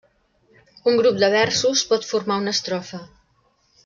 Un grup de versos pot formar una estrofa.